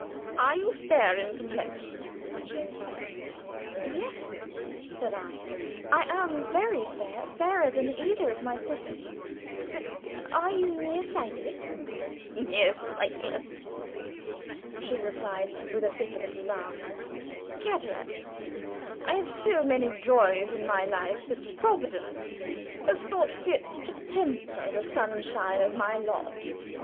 "Are you fair in complexion?" she inquired. "Yes," said I. "I am very fair fairer than either of my sisters. But are you near sighted?" "Near sight_less_," she replied, with a bitter little laugh. "Cataract. I have so many joys in my life that Providence has thought fit to temper the sunshine of my lot.